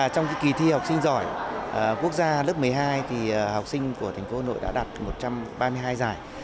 trong kỳ thi học sinh giỏi quốc gia lớp một mươi hai học sinh của thành phố hà nội đã đạt một trăm ba mươi hai giải